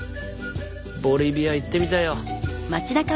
ボリビア行ってみたいよ。